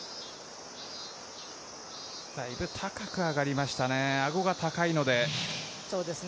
だいぶ高く上がりましたね、アゴが高いので。